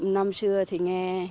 năm trưa thì nghe